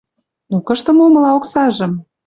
«Но кышты момыла оксажым?» —